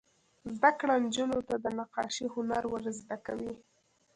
زده کړه نجونو ته د نقاشۍ هنر ور زده کوي.